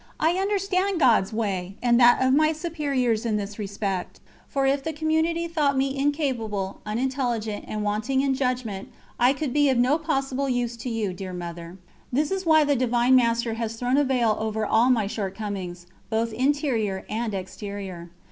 I understand God's way and that of my superiors in this respect; for if the Community thought me incapable, unintelligent, and wanting in judgment, I could be of no possible use to you, dear Mother. This is why the Divine Master has thrown a veil over all my shortcomings, both interior and exterior.